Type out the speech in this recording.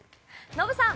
ノブさん。